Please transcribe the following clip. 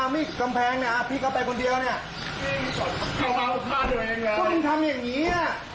ก็คุณทำอย่างนี้น่ะมันเดี๋ยวร้อนคนอื่นไปหมดเลย